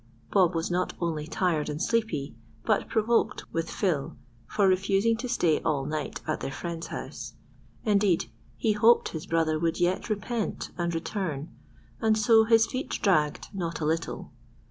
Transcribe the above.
Bob was not only tired and sleepy, but provoked with Phil for refusing to stay all night at their friend's house. Indeed, he hoped his brother would yet repent and return, and so his feet dragged not a little.